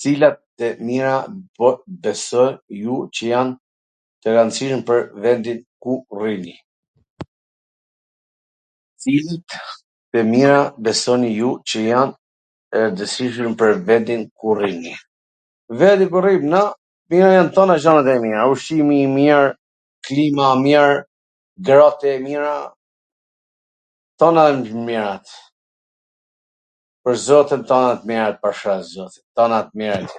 Cilat tw mira besoni ju qw jan tw randsishme pwr vendin ku rrini? Vendi ku rrim na, t mira jan tan gjanat e mira, ushqimi i mir, klima e mir, grat e mira, tana t mirat, pwr zotin, tana t mirat, pasha zotin, tana t mirat.